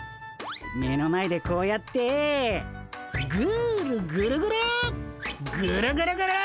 目の前でこうやってぐるぐるぐるぐるぐるぐる。